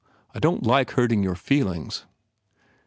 ... I don t like hurting your feelings."